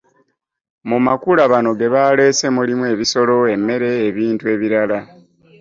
Mu Makula bano ge baleese mulimu; ebisolo, emmere, ebintu ebirala.